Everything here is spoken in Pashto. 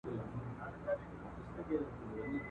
خالق دي مل سه ګرانه هیواده ..